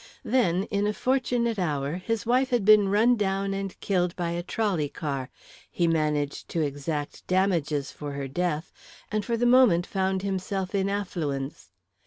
Then, in a fortunate hour, his wife had been run down and killed by a trolley car, he managed to exact damages for her death, and for the moment found himself in affluence.